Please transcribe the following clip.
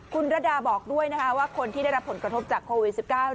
คุณระดาบอกด้วยนะคะว่าคนที่ได้รับผลกระทบจากโควิด๑๙